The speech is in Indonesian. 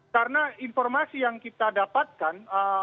karena informasi yang kita dapatkan